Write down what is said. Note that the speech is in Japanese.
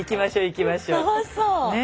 楽しそう。ね。